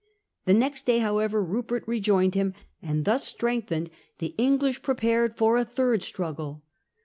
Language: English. The next day however Rupert re joined him, and, thus strengthened, the English prepared for a third struggle.